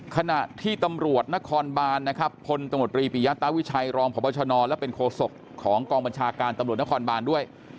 ขณะที่ตำรวจนครบานนะครับพลตมตรีปิยาตาวิชัยรองพบชนและเป็นโคศกของกองบัญชาการตำรวจนครบานด้วย